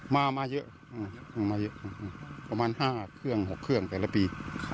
มามาเยอะประมาณห้าเครื่องหกเครื่องแต่ละปี